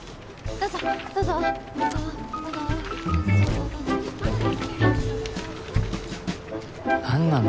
どうぞどうぞどうぞ。何なの？